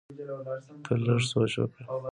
ته لږ سوچ وکړه!